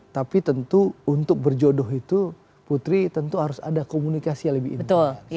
tapi tentu untuk berjodoh itu putri tentu harus ada komunikasi yang lebih intens